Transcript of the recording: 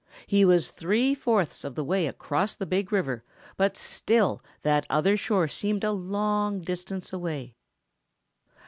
He was three fourths of the way across the Big River but still that other shore seemed a long distance away.